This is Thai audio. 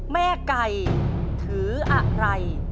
แม่ไก่ถืออะไร